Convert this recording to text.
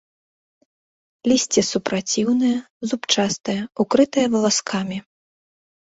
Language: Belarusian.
Лісце супраціўнае, зубчастае, укрытае валаскамі.